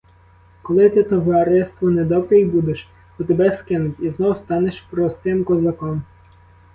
Коли ти товариству недобрий будеш, то тебе скинуть і знов станеш простим козаком.